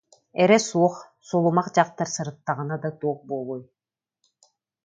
Эрэ суох, сулумах дьахтар сырыттаҕына да туох буолуой